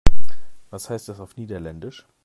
Was heißt das auf Niederländisch?